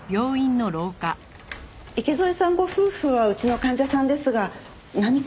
池添さんご夫婦はうちの患者さんですが何か？